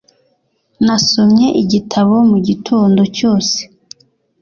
Nasomye igitabo mugitondo cyose.